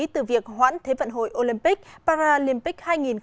từ việc hoãn thế vận hội olympic paralympic hai nghìn hai mươi